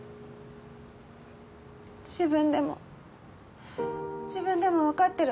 自分でも自分でもわかってるわよ